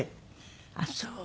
ああそう！